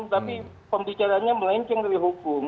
tapi pembicaraannya melenceng dari hukum